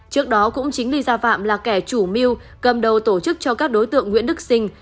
trước đó cũng chính lisa phạm là kẻ chủ miu cầm đầu tổ chức cho các đối tượng nguyễn đức sinh